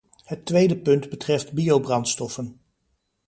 Het tweede punt betreft biobrandstoffen.